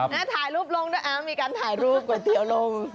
ถ่ายรูปลงด้วยมีการถ่ายรูปก๋วยเตี๋ยวลง